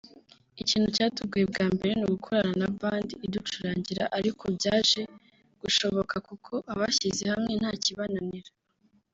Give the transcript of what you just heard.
Ikintu cyatugoye bwa mbere ni ugukorana na Band iducurangira ariko byaje gushoboka kuko abashyize hamwe nta kibananira